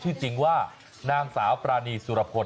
ชื่อจริงว่านางสาวปรณีสุระพล